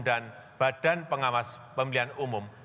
dan badan pengawas pemilihan umum